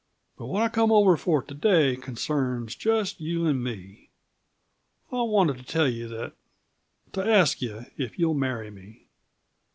"But what I came over for to day concerns just you and me. I wanted to tell you that to ask you if you'll marry me.